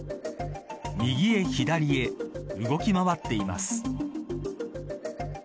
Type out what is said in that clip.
右へ左へ動き回っています。